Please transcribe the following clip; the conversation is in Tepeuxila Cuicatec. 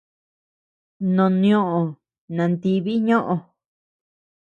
Noʼo nioʼö natibi ñoʼö.